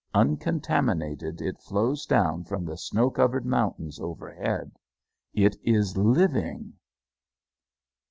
Uncontaminated it flows down from the snow covered mountains overhead. It is living.